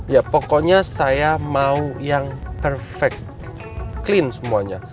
ya pokoknya saya mau yang perfect clean semuanya